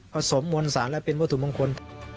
สมมวลสารและเป็นวัตถุมงคล